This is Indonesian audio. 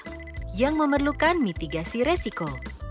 tiga pembiayaan umroh yang memerlukan mitigasi resiko